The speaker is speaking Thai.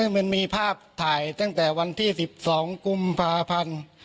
มันมีภาพถ่ายตั้งแต่วันที่๑๒กุมภาพันธ์